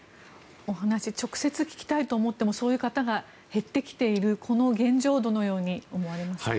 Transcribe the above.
お話を直接聞きたいと思ってもそういう方々が減ってきているというこの現状をどのように思われますか？